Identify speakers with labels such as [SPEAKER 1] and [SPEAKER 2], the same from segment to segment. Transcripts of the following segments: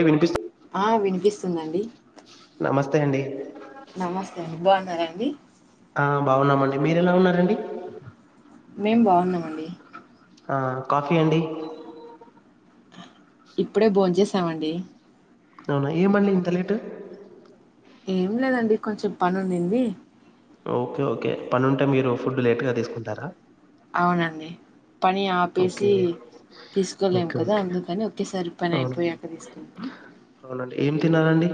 [SPEAKER 1] అ వినిపిస్తు
[SPEAKER 2] ఆ వినిపిస్తుందండి
[SPEAKER 1] నమస్తే అండి
[SPEAKER 2] నమస్తే అండి బాగున్నారాండి
[SPEAKER 1] ఆ బాగున్నామండి మీరు ఎలా ఉన్నారండి
[SPEAKER 2] మేం బాగున్నామండి
[SPEAKER 1] ఆ కాఫీ అండి
[SPEAKER 2] ఇప్పుడే బోమ్ చేసామండి
[SPEAKER 1] సవునా ఏ మండి ఇంత లేట్
[SPEAKER 2] ఏం లేదండి కొంచెం పని ఉందింది
[SPEAKER 1] ఓకె ఓకె పని ఉంటే మీరు ఫుడ్ లేట్గా తీసుకుంటారా
[SPEAKER 2] అవునండి పని
[SPEAKER 1] ఓకే
[SPEAKER 2] ఆపేసి తీసుకోలేము
[SPEAKER 1] ఓకే
[SPEAKER 2] కదా
[SPEAKER 1] ఓకే
[SPEAKER 2] అందుకని ఒకేసారి పని
[SPEAKER 1] అవును
[SPEAKER 2] అయిపోయాక తీసుకుని
[SPEAKER 1] అవునండి ఏం తిిన్నారండి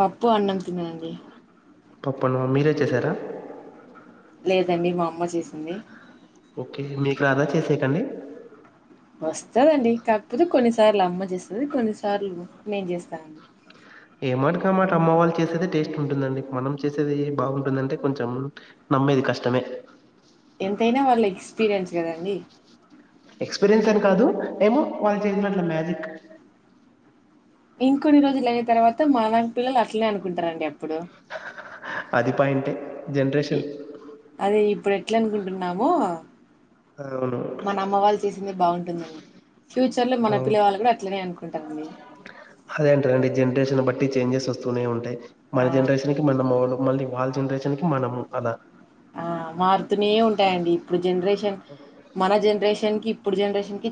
[SPEAKER 2] పప్పు అన్నం తిన్నానండి
[SPEAKER 1] పప్పన్నం మీరే చేసారా
[SPEAKER 2] లేదండి మామ్ అమ్మ చేసింది
[SPEAKER 1] ఓకే మీకు రాదా చేసేకండి
[SPEAKER 2] వస్తదండి కాక్పోతే కొన్నిసార్లు అమ్మ చేస్త కొన్నిసార్లు నేను చేస్తానండి
[SPEAKER 1] ఏమాట కమాట అమ్మ వాళ్ళు చేసేది టేస్ట్ ఉంటుందండి మనం చేసేది బాగుంటుందంటే కొంచెం నమ్మేది కష్టమే
[SPEAKER 2] ఎంతైన వాళ్ళ ఎక్స్పీరియన్స్ కదండి
[SPEAKER 1] ఎక్స్పీరియన్స్ అని కాదు ఏమో వాళ్ళు చేసినట్టు మ్యాజిక్
[SPEAKER 2] ఇంకొన్ని రోజులు అయిన తర్వాత మా వారి పిల్లలు అట్లనే అనుకుంటారంండి
[SPEAKER 1] అది పాయింటే జెన్రేషన్
[SPEAKER 2] ఇట్లనుకుంటున్నాము
[SPEAKER 1] అవును
[SPEAKER 2] మన అమ్మ వాళ్ళు చేసిందె బాగుంటుందని ఫ్యూచ్
[SPEAKER 1] హలో హదె అంట్రదండి ఈ జనరేషన్ బట్టి చేంజెస్ వస్తు స్తూనే ఉంటయి మన
[SPEAKER 2] ఆ
[SPEAKER 1] జెన్రేషన్కి మనం మూలం మళ్ళీ వాళ్ళ జన్రేషన్ కి మనం అల
[SPEAKER 2] ఆ మారుతునే ఉంటాయండి ఇప్పుడు జన్రేషన్ మన జన్రేషన్కి ఇప్పుడు జెన్రేషన్కి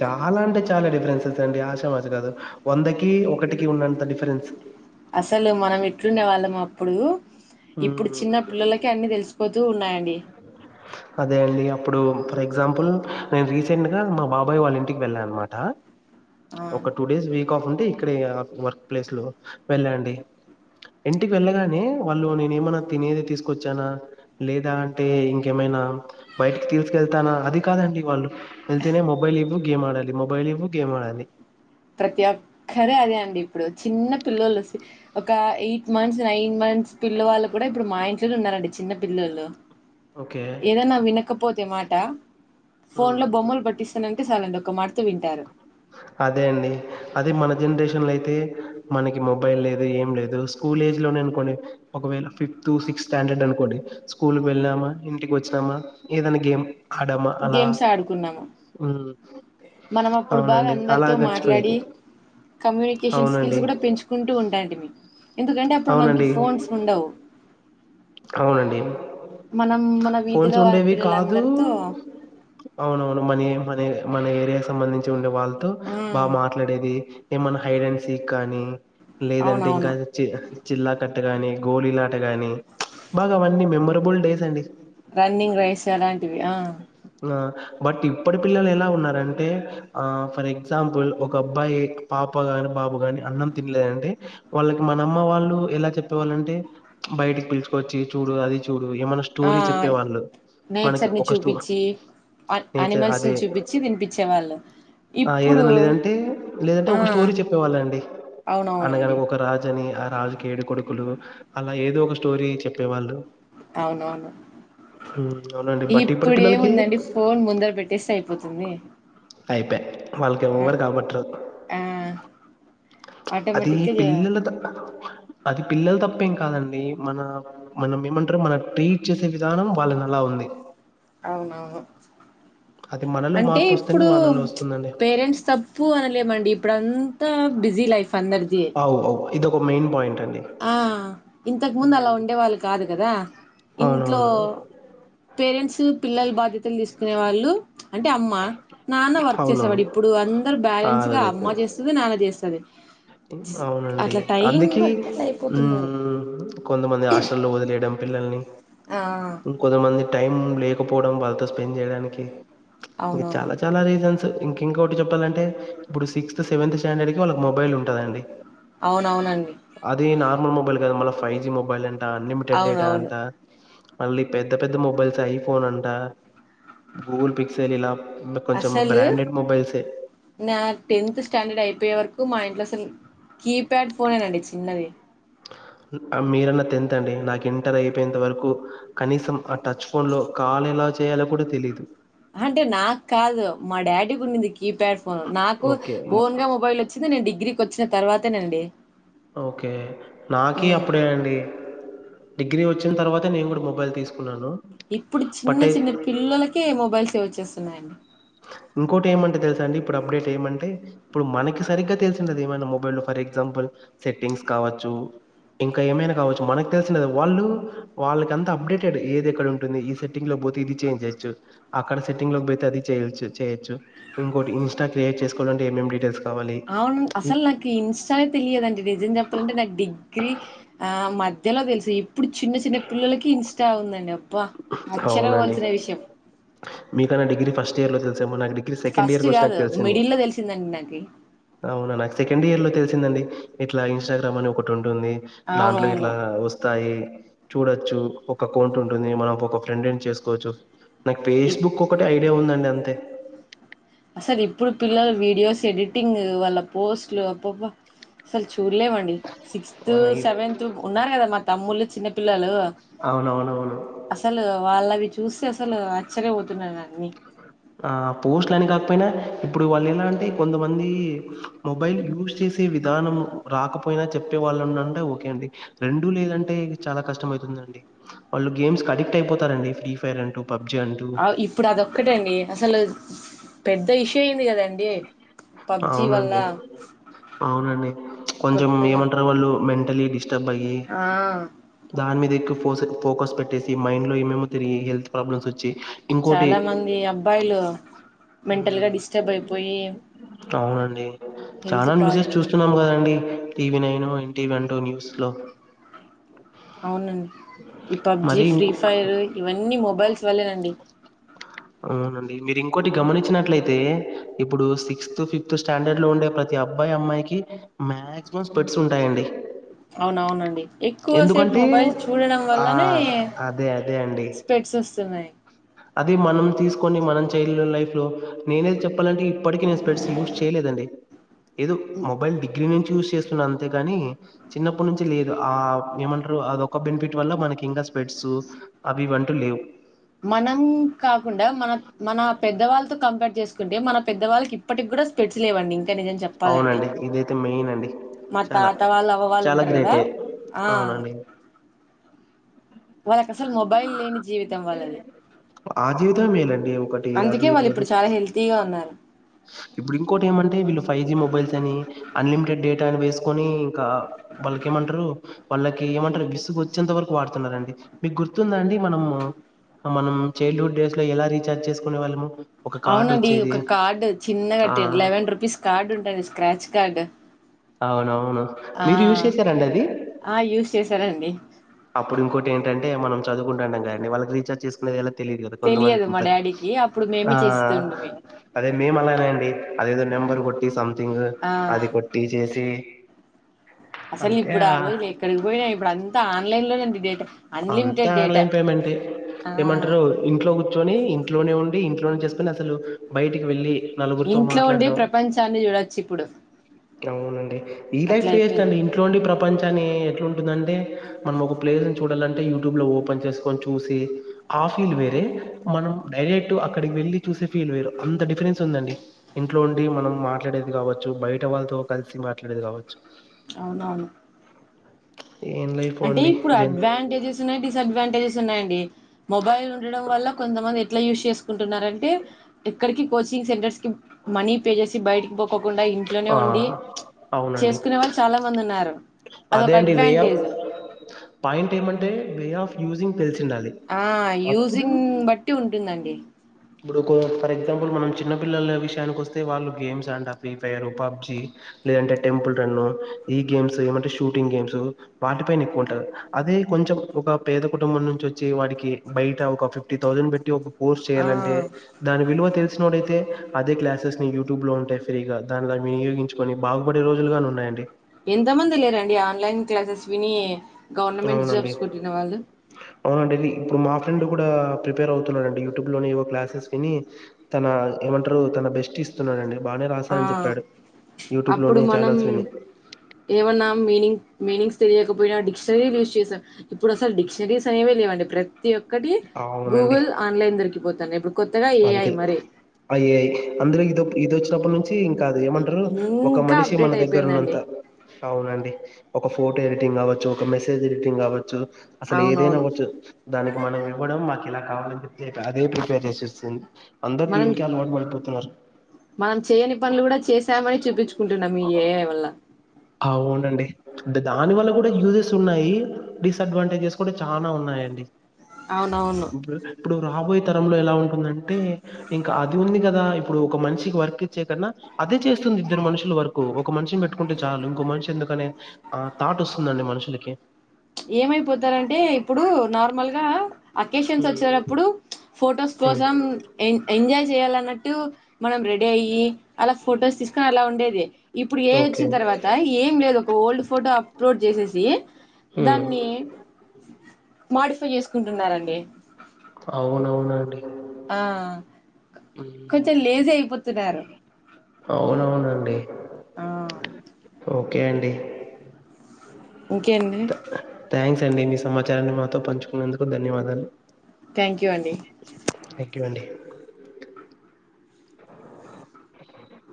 [SPEAKER 1] చాల అంటే చాల డిఫరెన్సెస్ ఉంది అండి ఆషామాషా కాదు వందకి ఒకటికి ఉన్నంత డిఫరెన్స్
[SPEAKER 2] అసలు మనం ఎట్లుండే వాళ్ళం అప్పుడు ఇప్పుడు
[SPEAKER 1] మ్మ్
[SPEAKER 2] చిన్న పిల్లలకె అన్ని తెలిసిపోతూ ఉన్నాయండి
[SPEAKER 1] అదే అండి అప్పుడు ఫర్ ఎగ్జాంపుల్ నేను రీజెంట్ గా మా బాబాయ్ వాళ్ళ ఇంటికి వెళ్ళానమాట
[SPEAKER 2] ఆ
[SPEAKER 1] ఒక టు డేస్ వీక్ ఆఫ్ ఈ ఇక్కడిగ వర్క్ ప్లేస్లో వెళ్ళా అండి ఇంటికి వెళ్ళగానే వాళ్ళు నేను ఏమైనా తినేది తీసుకొచ్చాన లేదా అంటే ఇంకేమైనా బయటికి తీసుకెళ్తానా అది కాదండి వాళ్ళు వెళ్తేనే మొబైల్ ఇవ్వు గేమ్ ఆడాలి మొబైల్ ఇవ్వు గేమ్ ఆడాలి
[SPEAKER 2] ప్రతి ఒక్కరు అదే అండి ఇప్పుడు చిన్న పిల్లలు ఒక ఎయిట్ మంత్స్ నైన్ మంత్స్ పిల్లవాళ్ళు కూడ ఇప్పుడు మా ఇంట్లోనే ఉన్నారండి చిన్న పిల్లలు
[SPEAKER 1] ఓకే.
[SPEAKER 2] ఏదన్న వినకపోతే మాట
[SPEAKER 1] హ్మ్.
[SPEAKER 2] ఫోన్లో బొమ్మలు పట్టిస్తానంటే చాలు అండి ఒక మాటతొ వింటారు
[SPEAKER 1] అదే అండి. అదే మన జెన్రేషన్ లో అయితే మనకి మొబైల్ లేదు ఏం లేదు స్కూల్ ఏజ్ లోనే అనుకోండి ఒకవేళ ఫిఫ్త్ సిక్స్త్ స్టాండర్డ్ అనుకోండి స్కూల్ వెళ్ళామా ఇంటికి వచ్చామా మా ఏదైనా గేమ్ ఆడామా అలా.
[SPEAKER 2] గేమ్స్ ఆడుకున్నాము
[SPEAKER 1] హ్మ్.
[SPEAKER 2] మనం అప్పుడు బాగా
[SPEAKER 1] అవునండి. అలా
[SPEAKER 2] అందరితో
[SPEAKER 1] గడిచిపోయేది.
[SPEAKER 2] మాట్లాడి కమ్యూనికేషన్
[SPEAKER 1] అవునండి.
[SPEAKER 2] స్కిల్స్ కూడా పెంచుకుంటూ వుంటాయండి ఎందుకండే అప్పుడు మనకి
[SPEAKER 1] అవునండి.
[SPEAKER 2] ఫోన్స్ ఉండవు
[SPEAKER 1] అవునండి
[SPEAKER 2] మనం మన
[SPEAKER 1] ఫోన్స్
[SPEAKER 2] వీధిలో
[SPEAKER 1] ఉండేవి కాదు
[SPEAKER 2] పిల్లలందరితో
[SPEAKER 1] అవునవును మనీ మనే మన ఏరియ సంబంధించి ఉండే వాళ్ళు తు
[SPEAKER 2] ఆ
[SPEAKER 1] బాగ మాట్లాడేది ఏమన్నా హైడ్ అండ్ సి గానీ లేదంటే ఇంకా
[SPEAKER 2] అవునవును
[SPEAKER 1] చిన్న చిల్లా కట్ట ఆట గాని గొలిల్లాట గాని బాగ అవన్నీ మెమ్రొబుల్ డేస్ అండి
[SPEAKER 2] రన్నింగ్ రెస్ అలాంటి వి ఆ
[SPEAKER 1] ఆ బట్ ఇప్పటి పిల్లలు ఎలా ఉన్నారంటే ఆ ఫర్ ఎగ్జాంపుల్ ఒక అబ్బాయి పాప గాని బాబు గాని అన్నం తినలేదంటే వాళ్ళకి మన అమ్మ వాళ్ళు ఎలా చెప్పేవాళ్ళంటే బయటికి పిలుచుకువచ్చి చూడు అది చూడు ఏమన్నా
[SPEAKER 2] ఆ
[SPEAKER 1] స్టోరీ చెప్పేవాళ్ళు మనకి
[SPEAKER 2] నేచర్
[SPEAKER 1] ఒక
[SPEAKER 2] ని
[SPEAKER 1] ఒక స్టో
[SPEAKER 2] చూపించి
[SPEAKER 1] నేచర్
[SPEAKER 2] అనిమల్స్ ని
[SPEAKER 1] అదే
[SPEAKER 2] చూపించి తినిపించేవాళ్ళు ఇప్పుడు
[SPEAKER 1] ఏదన్నా లేదంటే లేదంటే
[SPEAKER 2] ఆ
[SPEAKER 1] ఒక స్టోరీ చెప్పేవాళ్ళు అండి
[SPEAKER 2] అవునవునండి
[SPEAKER 1] అనగానక ఒక రాజు అని ఆ రాజుకి ఏడు కొడుకులు అలా ఏదో ఒక స్టోరీ చెప్పేవాళ్ళు
[SPEAKER 2] అవునవును
[SPEAKER 1] హ్మ్. అవునండి. బట్ ఇప్పటి పిల్లలకి
[SPEAKER 2] ఇప్పుడేముందండి ఫోన్ ముందర పెట్టేస్తే అయిపోతుంది
[SPEAKER 1] అయిపయ్ వాళ్ళకి
[SPEAKER 2] ఆ
[SPEAKER 1] ఎవ్వరు కాబట్టారు
[SPEAKER 2] ఆ
[SPEAKER 1] అది
[SPEAKER 2] ఆటోమేటిక్గా చే
[SPEAKER 1] పిల్లల అది పిల్లల తప్పేం కాదండి మన మనం ఏమంటారు మనం ట్రీట్ చేసే విధానం వాళ్ళని అలా ఉంది
[SPEAKER 2] అవునవును
[SPEAKER 1] అది మనలో
[SPEAKER 2] అంటే
[SPEAKER 1] మార్పొస్తేనే
[SPEAKER 2] ఇప్పుడు
[SPEAKER 1] వాళ్ళలో వస్తుందండి.
[SPEAKER 2] పేరెంట్స్ తప్పు అనలేమండి ఇప్పుడు అంతా బిజీ లైఫ్ అందరి
[SPEAKER 1] అవు అవు ఇది ఒక మెయిన్ పాయింట్ అండి.
[SPEAKER 2] ఆ ఇంతకు ముందు అలా
[SPEAKER 1] హ్మ్.
[SPEAKER 2] ఉండే వాళ్ళు కాదు కదా ఇంట్లో
[SPEAKER 1] అవునవును.
[SPEAKER 2] పేరెంట్స్ పిల్లలు బాధ్యతలు తీసుకునే వాళ్ళు అంటే అమ్మ నాన్న వర్క్
[SPEAKER 1] అవునవును.
[SPEAKER 2] చేసేవాడు ఇప్పుడు అందరు
[SPEAKER 1] ఆ!
[SPEAKER 2] బ్యాలెన్స్
[SPEAKER 1] అలా
[SPEAKER 2] గా అమ్మ
[SPEAKER 1] లేదు.
[SPEAKER 2] చేస్తుది నాన్న చేస్తాది
[SPEAKER 1] అవునండి అందుకే
[SPEAKER 2] బట్టి అట్లా
[SPEAKER 1] ఉ
[SPEAKER 2] అయిపోతున్నారు
[SPEAKER 1] ఉ కొంతమంది హాస్టల్లో వదిలేయడం పిల్లల్ని
[SPEAKER 2] ఆ
[SPEAKER 1] హా కొంతమంది టైం లేకపోవడం వాళ్ళతో స్పెండ్ చేయడానికి ఇంకా
[SPEAKER 2] అవునవును
[SPEAKER 1] చాలా చాలా రీజన్స్ ఇంక ఇంకోటి చెప్పాలంటే ఇప్పుడు సిక్స్త్ సెవెంత్ స్టాండర్డ్ కి వాళ్ళకి మొబైల్ ఉంటుం దండి అండి
[SPEAKER 2] అవునవునండి
[SPEAKER 1] అది నార్మల్ మొబైల్ కాదు మళ ఫైవ్ జి మొబైల్ అని అన్ లిమిటెడ్ డేటా
[SPEAKER 2] అవునవును
[SPEAKER 1] అంటా మళ్ళీ పెద్ద పెద్ద మొబైల్స్ ఐఫోన్ అంట గూగుల్ పిక్సెల్ ఇలా కొంచెం
[SPEAKER 2] అసలు
[SPEAKER 1] బ్రాండెడ్ మొబైల్సే.
[SPEAKER 2] నా టెన్త్ స్టాండర్డ్ అయిపోయే వరకు మా ఇంట్లో అసలు కీప్యాడ్ ఫోనే నండి చిన్నది
[SPEAKER 1] మీరన్న టెన్త్ అండి నాకు ఇంటర్ అయిపోయేంత వరకు కనీసం ఆ టచ్ ఫోన్లో కాల్ ఎలా చేయాలో కూడా తెలీదు
[SPEAKER 2] అంటే నాకు కాదు మా డాడీకి ఉన్నింది కీప్యాడ్ ఫోన్ నాకు
[SPEAKER 1] ఓకే మ-
[SPEAKER 2] ఓన్ గా మొబైల్ వచ్చింది నేను డిగ్రీకి వచ్చా తర్వాతనండి
[SPEAKER 1] ఓకే నాకీ అప్పుడే అండి డిగ్ గ్రీ వచ్చిన తర్వాతే నేను కూడా మొబైల్ తీసుకున్నాను
[SPEAKER 2] ఇప్పుడు చిన్న
[SPEAKER 1] బట్ అయి
[SPEAKER 2] చిన్న పిల్లలకే మొబైల్స్ ఇవ్వచ్ స్తున్నాయండి
[SPEAKER 1] ఇంకోటి ఏమంటే తెలుసా అండి ఇప్పుడు అప్డేట్ ఏమంటే ఇప్పుడు మనకి సరిగ్గా తెలిసుండదు ఏమైనా మొబైల్లో లో ఫర్ ఎగ్జాంపుల్ సెట్టింగ్స్ కావచ్చు ఇంకా ఏమైనా కావచ్చు మనకి తెలిసిండదు వాళ్ళు వాళ్ళకి అంత అప్డేటెడ్ ఏది ఎక్కడ ఉంటుంది ఈ సెట్టింగ్ లో పోతే ఇది చేంజ్ చేయ్యచ్చు అక్కడ సెట్టింగ్ లోకి పోతే అది చేయచ్చు చేయొచ్చ ఇంకోటి ఇన్స్ట క్రియట్ చేసు కోవాలంటే ఏమేం డీటెయిల్స్ కావాలి.
[SPEAKER 2] అవును అసలు నాకు ఇంస్టా తెలియదు అండి నిజం చెప్పాలంటే నాకు డిగ్రీ ఆ మ ధ్యలో తెలుసు ఇప్పుడు చిన్న చిన్న పిల్లలకి ఇంస్టా వుందండి అబ్బా అశ్చర్య
[SPEAKER 1] అవునండి.
[SPEAKER 2] పోవల్సిన విషయం
[SPEAKER 1] మీకన్నా డిగ్రీ ఫస్ట్ ఇయర్ లో తెల్ నాకు డిగ్రీ సెకండ్
[SPEAKER 2] ఫస్ట్
[SPEAKER 1] ఇయర్కి వచ్చినాక
[SPEAKER 2] కాదు
[SPEAKER 1] తెలిసింది
[SPEAKER 2] మిడిల్ లో తెలిసిందండి నాకి
[SPEAKER 1] అవునా సెకండ్ ఇయర్ లో తెలిసిందండి ఇట్ల ఇన్స్టగ్రామ్ అని ఒకటి ఉం టుంది దాంట్లో
[SPEAKER 2] అవునవును
[SPEAKER 1] ఇట్లా వస్తాయి [unintelligible] చూడొచ్చు ఒక అక్కౌంట్ ఉంటుంది మనం ఒక ఫ్రెండ్ ని చేసుకోవచ్చు నాకు
[SPEAKER 2] ఇప్
[SPEAKER 1] ఫేస్బుక్ ఒకటి ఐడియా ఉందండి అం దే
[SPEAKER 2] అసలు ఇప్పుడు పిల్లలు వీడియోస్ ఎడిటింగ్ వాళ్ళ పోస్ట్లు అబ్బబ్బ అసలు చూ చూడలేమండి సిక్స్త్
[SPEAKER 1] ఆ, ఈ-
[SPEAKER 2] సెవెన్త్ ఉన్నారు కదా మా తమ్ముళ్లు చిన్న పిల్లలు
[SPEAKER 1] అవునవునవును
[SPEAKER 2] అసలు వాళ్ళవి చూస్తే అసలు ఆశ్చర్య పోత న్నా న్నన్ని
[SPEAKER 1] ఆ పోస్ట్లు అని కాకపోయినా ఇప్పుడు వాళ్ళు ఎలా అంటే కొంతమంది మొబైల్ యూస్ చేసే విధానం రాకపోయినా చెప్పే వాళ్ళు ఉన్నంటే ఓకే అండి రెండూ లేదంటే చాలా కష్టం అయితుందండి వాళ్ళు గేమ్స్ అడిక్ట్ అయిపోతారండి ఫ్రీ ఫైర్ అంటూ పబ్‌జీ అంటూ.
[SPEAKER 2] ఆ ఇప్పుడు అదొక్కటండి అసలు పెద్ ఇష్యూ అయింది కదండి పబ్జి వల్ల
[SPEAKER 1] అవునండి. అవునండి.
[SPEAKER 2] కొత్తగా
[SPEAKER 1] గల్లిడీష్ ద బయ్యే
[SPEAKER 2] ఆ
[SPEAKER 1] దానిమీద ఏక్ ఫోస్ ఫోకస్ పెట్టేసి మైండ్ లో ఏమేమో తిరిగి హెల్త్ ప్రాబ్లమ్స్ వచ్చి ఇంకోటి
[SPEAKER 2] చాలా మంది అబ్బాయిలు మెంటల్ గ
[SPEAKER 1] హ్మ్.
[SPEAKER 2] డిస్ సబ్ అయిపోయి
[SPEAKER 1] అవునండి చాలా
[SPEAKER 2] హెల్త్
[SPEAKER 1] న్యూసెస్
[SPEAKER 2] పాడైపోయి
[SPEAKER 1] చూస్తున్నాము కదండి టీవీ నైను న్టీవంటూ న్యూస్లో
[SPEAKER 2] ఔనండి ఈ పబ్జి
[SPEAKER 1] మరి
[SPEAKER 2] ఫ్రీ
[SPEAKER 1] ఇంక్
[SPEAKER 2] ఫైర్ ఇవన్నీ మొబైల్స్ వల్లేనండి
[SPEAKER 1] అవునండి మీరు ఇంకోటి గమనించినట్లయితే ఇప్పుడు సిక్స్త్ ఫిఫ్త్ స్టాండర్డ్ లో ఉండే ప్రతి అబ్బాయి అమ్మాయికి మాక్సిమం స్పెట్స్ ఉంటాయండి
[SPEAKER 2] అవునవునండి ఎక్కువసేపు
[SPEAKER 1] ఎందుకంటే
[SPEAKER 2] మొబైల్ చూడడం
[SPEAKER 1] ఆ
[SPEAKER 2] వల్లనే
[SPEAKER 1] అదే అండి
[SPEAKER 2] స్పెడ్స్ వస్తున్నాయి
[SPEAKER 1] అదే మనం తీసుకొని మనం చైల్డ్ లైఫ్ లో నేనేది చెప్పాలంటే ఇప్పటికీ నేను స్పెడ్స్ యూజ్ చేయలేదండి ఏదో మొబైల్ డిగ్రీ నుంచి యుస్ చేస్తున్నా అంతేగాని చిన్నప్పటి నుంచి లేదు ఆ ఏమంటారు అదొక బెనిఫిట్ వల్ల మనకి ఇంకా స్ప్రెడ్స్ అవి ఇవ్వంటూ లేవు
[SPEAKER 2] మనం కాకుండా మన మన పెద్దవాళ్ళతో కంపర్ట్ చేసుకుంటే మన పెద్దవాళ్ళకి ఇప్పటికి కూడా స్పెడ్స్ లేవండి ఇంకా నిజం చెప్పాలంటే
[SPEAKER 1] అవునండి ఇదైతే మెయిన్ అండి
[SPEAKER 2] మా
[SPEAKER 1] చాలా
[SPEAKER 2] తాత వాళ్ళు అవ్వవాళ్ళు
[SPEAKER 1] చాలా
[SPEAKER 2] ఉంటారు కదా
[SPEAKER 1] గ్రేటే
[SPEAKER 2] ఆ
[SPEAKER 1] అవునండి
[SPEAKER 2] వాళ్ళకి అసలు మొబైల్ లేని జీవితం వాళ్ళది
[SPEAKER 1] ఆ జీవితమే మేలండి ఒకటి
[SPEAKER 2] అందుకే
[SPEAKER 1] అది
[SPEAKER 2] వాళ్ళు
[SPEAKER 1] బ్రదు
[SPEAKER 2] ఇప్పుడు చాలా హెల్దీగా ఉన్నారు
[SPEAKER 1] ఇప్పుడు ఇంకోటి ఏమంటే వీళ్ళు ఫైవ్ జి మొబైల్స్ అని అన్లిమిటెడ్ డేటా అని వేసుకొని ఇకా బల్కేమంటారు వాళ్ళకి ఏమంటారు విసుగు వచ్చేంత వరకు వాడుతున్నరాండి మీకు గుర్తుందా అండి మనం మనం చైల్డ్హుడ్ డేస్ లో ఎలా రీచార్జ్ చేసుకునే వాళ్ళము ఒక కార్డు
[SPEAKER 2] అవునండి
[SPEAKER 1] వచ్చేది
[SPEAKER 2] ఒక కార్డు చిన్నగా
[SPEAKER 1] ఆ
[SPEAKER 2] ట్టి లెవెన్ రూపీస్ కార్డ్ ఉంటాండి స్క్రాచ్ కార్డ్ కార్డు
[SPEAKER 1] అవునవును అవునా
[SPEAKER 2] ఆ
[SPEAKER 1] మీరు యూస్ చేసారండి అది
[SPEAKER 2] ఆ యూస్ చేశారండి
[SPEAKER 1] చదువుకుంటాం కానీ వాళ్కి రీచార్జ చేసుకునేది తెలిదు
[SPEAKER 2] తెలియదు మా
[SPEAKER 1] కొంతమంది
[SPEAKER 2] డాడీకి అప్పుడు
[SPEAKER 1] ఆ
[SPEAKER 2] మేమే చేస్తుంటిమి
[SPEAKER 1] అదే మేము అలానే అండి అదేదో
[SPEAKER 2] ఆ
[SPEAKER 1] నెంబర్ కొట్టి సంథింగ్
[SPEAKER 2] ఆ
[SPEAKER 1] అది కొట్టి చేసి
[SPEAKER 2] అసలు ఇప్పుడు ఆ రోజులు ఎక్కడికి పోయినాయి ఇప్పుడు అంత ఆన్లైన్ లోంది దేటా
[SPEAKER 1] అంతా ఆన్లైన్ పేమెంట్
[SPEAKER 2] ఆ
[SPEAKER 1] ఏమంటారు ఇంట్లో కూర్చొని ఇంట్లోనే ఉండి ఇంట్లోనే చేస్ అసలు బయటికి వెళ్ళి నలుగురితో
[SPEAKER 2] ఇంట్లో ఉండి
[SPEAKER 1] మాట్లాడదాం
[SPEAKER 2] ప్రపంచాన్ని చూడొచ్చు ఇప్పుడు
[SPEAKER 1] అవునండి ఈ
[SPEAKER 2] అట్లా
[SPEAKER 1] లైఫ్ వేస్ట్
[SPEAKER 2] అయిపోయింది
[SPEAKER 1] అండి ఇంట్లోండి ప్రపంచాన్ని ఎట్లాంటుందంటే మనం ఒక ప్లేస్ చూడాలంటే యూట్యూబ్ లో ఓపెన్ చేసుకొని చూసి ఆ ఫీల్ వేరే మనం డైరెక్ట్ అక్కడికి వెళ్ళి చూసే ఫీల్ వేరు అంత డిఫరెన్స్ ఉందండి ఇంట్లో ఉండి మనం మాట్లాడేది కావచ్చు బయట వాళ్ళతో కలిసి మాట్లాడేది కావచ్చు
[SPEAKER 2] అవునవును
[SPEAKER 1] ఏం లైఫ్
[SPEAKER 2] అంటే
[SPEAKER 1] అండి
[SPEAKER 2] ఇప్పుడు
[SPEAKER 1] జన్
[SPEAKER 2] అడ్వాంటేజెస్ ఉన్నాయి డిసడ్వాంటేజెస్ ఉన్నాయండి మొబైల్ ఉండటడం వల్ల కొంతమంది ఎట్లా యూస్ చేసు కుంటున్నారంట ఎ ఇక్కడికి కోచింగ్ సెంటర్స్ మనీ పే చేసి బయటికి పోకోకుండా ఇంట్లోనే
[SPEAKER 1] ఆ!
[SPEAKER 2] ఉండి
[SPEAKER 1] అవునండి.
[SPEAKER 2] చేసుకునే వాళ్ళు చాలా మంది ఉన్నారు అదొ ఒక
[SPEAKER 1] అదే అండి వే ఆఫ్
[SPEAKER 2] అడ్వాంటేజ్
[SPEAKER 1] పాయింట్ ఏమంటే వే ఆఫ్ యూజింగ్ తెలిసుండాలి.
[SPEAKER 2] ఆ యూజింగ్
[SPEAKER 1] అప్పుడు
[SPEAKER 2] బట్టి ఉంటుందండి
[SPEAKER 1] ఇప్పుడు ఫర్ ఎగ్జాంపుల్ మనం చిన్న పిల్లల విషయానికి వస్తే వాళ్ళు గేమ్స్ అంట ఫ్రీ ఫైర్ పబ్జి లేదంటే టెంపుల్ రన్ ఈ గేమ్స్ ఏమంటే షూటింగ్ గేమ్స్ వాటి పైన ఎక్కువ ఉంటారు అదే కొంచెం ఒక పేద కుటుంబం నుంచి వచ్చి వాటికి బయట ఒక ఫిఫ్టీ థౌజండ్ పెట్టి ఒక
[SPEAKER 2] ఆ
[SPEAKER 1] చేయాలంటే దాని విలువ తెలి తెలిసినవాడు అయితే అదే క్లాసెస్ యూ్యూబ్ లో ఉంటయి ఫ్రీగా దానిలా వినియోగించుకోని బాగుపడే రోజులుగా ఉన్నాయండి
[SPEAKER 2] ఎంత మంది లేరండి ఆన్లైన్ క్లాసెస్ విని గవర్నమెంట్
[SPEAKER 1] అవునండి
[SPEAKER 2] జాబ్స్ కొట్టిన వాళ్ళు
[SPEAKER 1] అవునండి ఇప్పుడు మా ఫ్రెండ్ కూడా ప్రిపేర్ అవుతున్నాడండి యూట్యూబ్ లోనే ఏవో క్లాసెస్ విని తన ఏమంటారు తన బెస్ట్ ఇస్తున్నాడండి బాగానే
[SPEAKER 2] ఆ
[SPEAKER 1] రాశానని చెప్పాడు యూట్యూబ్
[SPEAKER 2] అప్పుడు
[SPEAKER 1] లోనే
[SPEAKER 2] మనం
[SPEAKER 1] ఛానల్స్ విని
[SPEAKER 2] ఏమన్నా మీనింగ్ మీనింగ్స్ తెలియకపోయినా డిక్ష రీ యూస్ చేశా ఇప్పుడుస డిక్షనరీస్ అనేవేవండి ప్రతి ప్రతి ఒక్కటి
[SPEAKER 1] అవునండి
[SPEAKER 2] గూగుల్ ఆన్లైన్ దొరికిపోతుంది తనెబు
[SPEAKER 1] అంతే ఐ ఐ అందులో ఇది ఇది వచ్చినప్పటి నుంచి ఇంకాదు ఏమంటారు ఒక
[SPEAKER 2] ఇంకా
[SPEAKER 1] మనిషి మన
[SPEAKER 2] అప్డేట్
[SPEAKER 1] దగ్గర ఉన్నంత
[SPEAKER 2] అయిపోయిందండి
[SPEAKER 1] అవునండి ఒక ఫోటో ఎడిటింగ్ కావచ్చు. ఒక మెసేజ్ ఎడిటింగ్ కావచ్చు. అసలు ఏదైనా
[SPEAKER 2] అవునవును
[SPEAKER 1] అవ్వచ్చు దానికి మనం ఇవ్వడం మన్ ఇలా కావాలని చెప్తే అదే ప్రిపేర్ చేసిస్ స అందర్
[SPEAKER 2] మనం
[SPEAKER 1] దీనికే అలు బడిపో నమస్
[SPEAKER 2] మనం చేయని పనులు కూడా చేసామని చూపించుకుంటున్నాం ఈ ఏఏ వల్ల
[SPEAKER 1] అవునండి దానివల్ల కూడా యూజెస్ ఉన్నాయి. డిజ్ అడ్వాంటేజెస్ కూడా చాలా ఉన్నాయండి.
[SPEAKER 2] అవునవును
[SPEAKER 1] ఇప్పుడు ఇప్పుడు రాబోయే తరంలో ఎలా ఉంటుందంటే, ఇంకా అది ఉంది కదా. ఇప్పుడు ఒక మనిషికి వర్క్ ఇచ్చే కన్నా అదే చేస్తుంది. ఇద్దరు మనుషులు వర్క్ ఒక మనిషిని పెట్టుకుంటే. చాలు ఇంకో మనిషి ఎందుకనే ఆ థాట్ వస్తుందండి మనుషులకి
[SPEAKER 2] ఏమైపోతారంటే ఇప్పుడు నార్మల్గా అకేషన్స్
[SPEAKER 1] హ్మ్.
[SPEAKER 2] వచ్చేటప్పుడు ఫొటోస్
[SPEAKER 1] హ్మ్.
[SPEAKER 2] కోసం ఎ ఎంజాయ్ చేయాలన్నట్ టు మనం రెడీ అయ్యి అలా ఫొటోస్ తీసుకుని అలా ఉండిద్ది ఇప్పుడు ఏ
[SPEAKER 1] ఓకే.
[SPEAKER 2] వచ్చిన తర్వాత ఏం లేదు ఒక ఓల్డ్ ఫోటో అప్లోడ్ చేసేసి
[SPEAKER 1] హ్మ్.
[SPEAKER 2] దాన్ని మొ తప్పు చేసుకుంటున్నారండి
[SPEAKER 1] అవునవునండి.
[SPEAKER 2] ఆ కొంచెం
[SPEAKER 1] హ్మ్.
[SPEAKER 2] లేజీ అయిపోతున్నారు
[SPEAKER 1] అవునవునండి
[SPEAKER 2] ఆ
[SPEAKER 1] ఓకే అండి
[SPEAKER 2] ఇంకేండి
[SPEAKER 1] అ అండి మీ సమాచారాన్ని మాతో పంచుకున్నందుకు ధన్యవాదాలు.
[SPEAKER 2] థ్యాంక్ యూ అండి
[SPEAKER 1] ఎక్ వండి అ